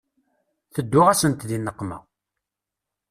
Tedduɣ-asent di nneqma.